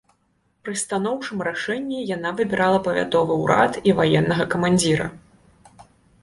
Пры станоўчым рашэнні яна выбірала павятовы ўрад і ваеннага камандзіра.